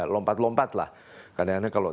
lompat lompat lah karena kalau